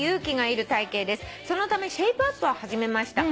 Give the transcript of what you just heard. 「そのためシェイプアップを始めました」